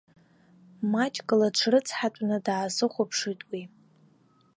Маҷк лыҽрыцҳатәны даасыхәаԥшит уи.